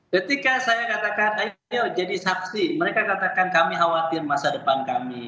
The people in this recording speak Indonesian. ketika saya katakan ayo jadi saksi mereka katakan kami khawatir masa depan kami